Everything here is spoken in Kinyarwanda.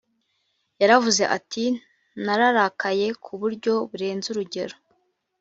yaravuze ati “nararakaye ku buryo burenze urugero”